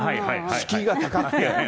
敷居が高くて。